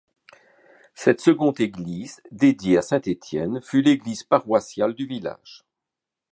Cette seconde église, dédiée à Saint Etienne, fut l'église paroissiale du village.